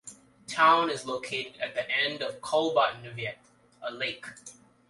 Town is located at the end of Kolbotnvannet, a lake.